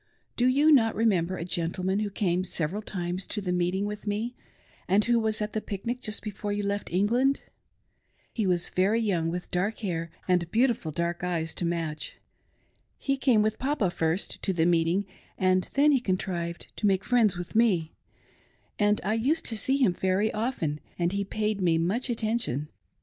Do you not rememfcer a gentleman who came several times to the meeting with me, and who was at the pic nic just before you left England ? He was very young, with dark hair and beautiful dark eyes to match. He came with Papa first to the meeting, and then he contrived to make friends with me, and I used to see him very often, and he paid me much attention.